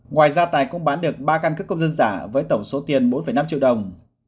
ngoài ra tài cũng bán được ba căn cước công dân giả với tổng số tiền bốn năm triệu đồng